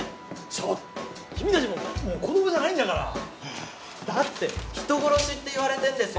ちょっと君達も子供じゃないんだからだって人殺しと言われてんですよ